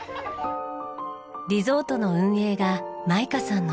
リゾートの運営がマイカさんの夢。